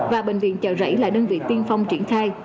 và bệnh viện chợ rẫy là đơn vị tiên phong triển khai